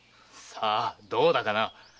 さあどうだかな？